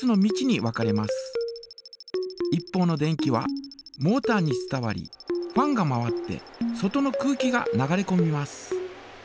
一方の電気はモータに伝わりファンが回って外の空気が流れこみます。